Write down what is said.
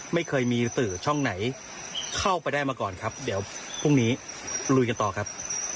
ไม่เคยมีสื่อช่องไหนเข้าไปได้มาก่อนครับเดี๋ยวพรุ่งนี้ลุยกันต่อครับ